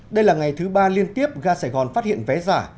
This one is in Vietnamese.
đây là ngày thứ ba liên tiếp ga sài gòn phát hiện vé giả